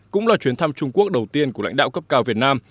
cũng là chuyến thăm trung quốc đầu tiên của lãnh đạo cấp cao việt nam